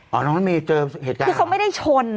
อ๋อน้องน้องมีเจอเหตุการณ์หรือเปล่าคือเขาไม่ได้ชน